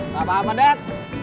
gak apa apa dad